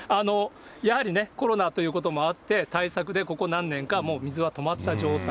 やはりね、コロナということもあって、対策でここ何年かは、もう水は止まった状態。